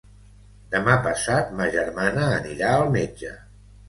Demà passat ma germana anirà al metge.